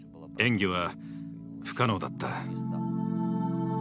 演技は不可能だった。